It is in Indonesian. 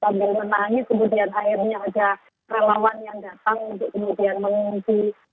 sambil menangis kemudian akhirnya ada relawan yang datang untuk kemudian mengungsi